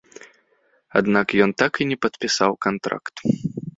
Аднак ён так і не падпісаў кантракт.